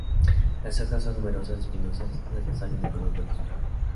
Las hojas son numerosas, espinosas, las basales de color verde oscuro.